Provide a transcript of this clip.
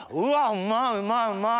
うまうまうまい。